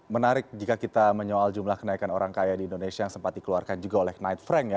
menarik jika kita menyoal jumlah kenaikan orang kaya di indonesia yang sempat dikeluarkan juga oleh knight frank ya